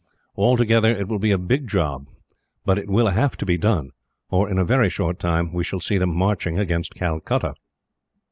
Altogether it will be a big job; but it will have to be done, or in a very short time we shall see them marching against Calcutta."